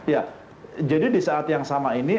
ya jadi di saat yang sama ini